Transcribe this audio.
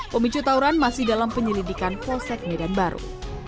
pemicu tauran masih dalam penyelidikan polsek medan baru